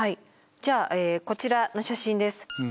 じゃあこちらの写真です。